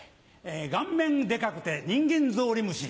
顔面デカくて人間ゾウリムシ。